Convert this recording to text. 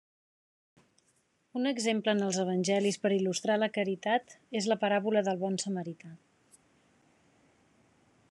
Un exemple en els evangelis per il·lustrar la caritat és la paràbola del Bon Samarità.